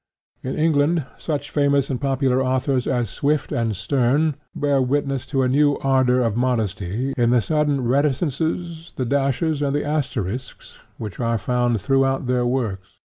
In England such famous and popular authors as Swift and Sterne bear witness to a new ardor of modesty in the sudden reticences, the dashes, and the asterisks, which are found throughout their works.